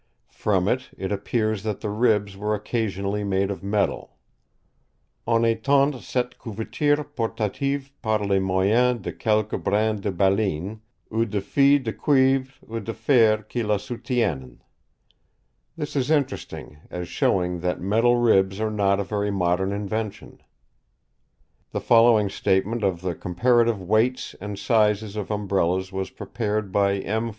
From it, it appears that the ribs were occasionally made of metal. "On étend cette couverture portative par le moyen de quelques brins de baleine, ou de fils de cuivre ou de fer qui la soutiennent." This is interesting, as showing that metal ribs are not a very modern invention. The following statement of the comparative weights and sizes of Umbrellas was prepared by M.